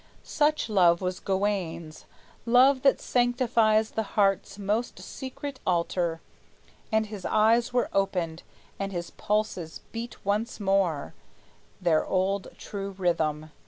Such love was Gawayne's, love that sanctifies The heart's most secret altar; and his eyes Were opened, and his pulses beat once more Their old true rhythm.